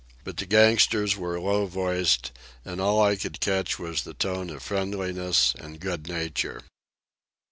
But the gangsters were low voiced, and all I could catch was the tone of friendliness and good nature.